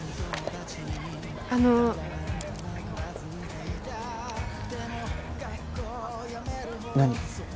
あの何？